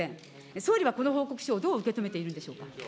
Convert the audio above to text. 総理はこの報告書をどう受け止めているんでしょうか。